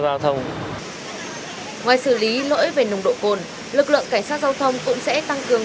ngoài xử lý lỗi về nồng độ cồn lực lượng cảnh sát giao thông cũng sẽ tăng cường